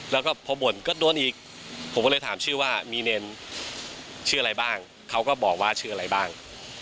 แล้วก็พอบ่นก็โดนอีกผมก็เลยถามชื่อว่ามีเนรชื่ออะไรบ้างเขาก็บอกว่าชื่ออะไรบ้าง